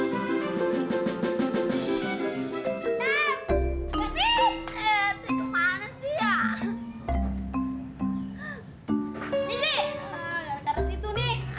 sampai jumpa di video selanjutnya